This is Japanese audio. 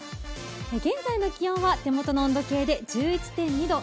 現在の気温は手元の温度計で１１．２度。